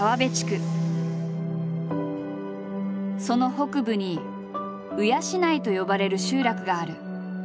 その北部に鵜養と呼ばれる集落がある。